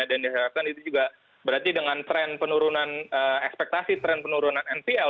dan diharapkan itu juga berarti dengan tren penurunan ekspektasi tren penurunan npl